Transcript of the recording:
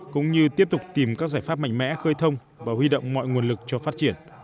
cũng như tiếp tục tìm các giải pháp mạnh mẽ khơi thông và huy động mọi nguồn lực cho phát triển